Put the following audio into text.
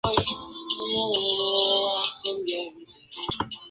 En esta materia ejerce como voluntaria para un refugio de animales.